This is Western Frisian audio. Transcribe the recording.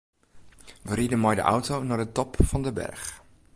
Wy ride mei de auto nei de top fan de berch.